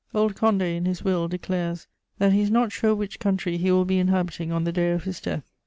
Old Condé, in his will, declares "that he is not sure which country he will be inhabiting on the day of his death."